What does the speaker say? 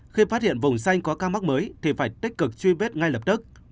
khi phát hiện vùng xanh có ca mắc mới thì phải tích cực truy vết ngay lập tức